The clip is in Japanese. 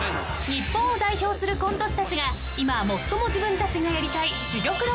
［日本を代表するコント師たちが今最も自分たちがやりたい］